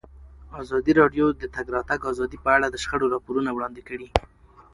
ازادي راډیو د د تګ راتګ ازادي په اړه د شخړو راپورونه وړاندې کړي.